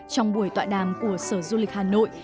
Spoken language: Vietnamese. trong buổi tọa đàm của sở du lịch hà nội